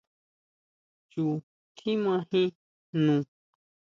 Chu tjímajin jno.